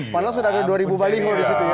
padahal sudah ada dua ribu baliho di situ ya